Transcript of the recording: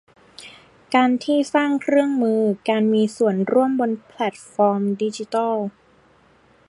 การที่สร้างเครื่องมือการมีส่วนร่วมบนแพลทฟอร์มดิจิทัล